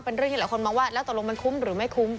เป็นเรื่องที่หลายคนมองว่าแล้วตกลงมันคุ้มหรือไม่คุ้ม